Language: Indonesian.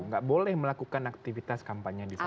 nggak boleh melakukan aktivitas kampanye di sana